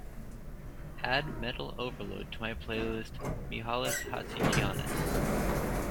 Add Metal Overload to my playlist Mihalis Hatzigiannis